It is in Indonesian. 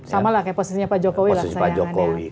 sama lah kayak posisinya pak jokowi lah kesayangannya